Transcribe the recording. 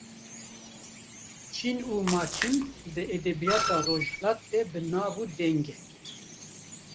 Çîn û Maçin di edebiyata rojhilat de bi nav û deng e.